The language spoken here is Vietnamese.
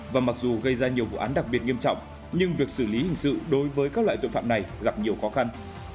và mặc dù gây ra nhiều vụ án đặc biệt nghiêm trọng nhưng việc xử lý hình sự đối với các loại tội phạm này gặp nhiều khó khăn